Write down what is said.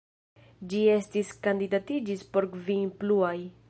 Ĝi estis kandidatiĝis por kvin pluaj.